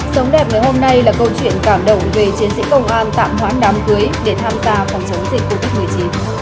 sống đẹp ngày hôm nay là câu chuyện cảm động về chiến sĩ công an tạm hoãn đám cưới để tham gia phòng chống dịch covid một mươi chín